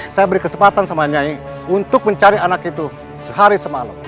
saya beri kesempatan sama nyai untuk mencari anak itu sehari semalam